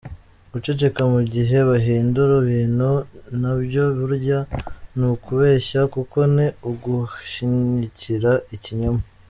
Guceceka mu gihe bahindura ibintu na byo burya ni ukubeshya kuko ni uguahyigikira ikinyoma.